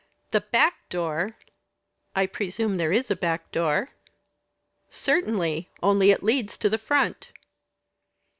"The back door!" "I presume there is a back door?" "Certainly only it leads to the front."